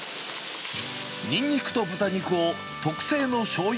にんにくと豚肉を特製のしょうゆ